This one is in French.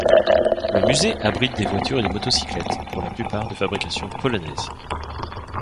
Le musée abrite des voitures et des motocyclettes, pour la plupart de fabrication polonaises.